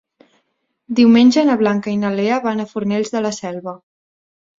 Diumenge na Blanca i na Lea van a Fornells de la Selva.